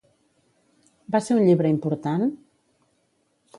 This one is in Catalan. Va ser un llibre important?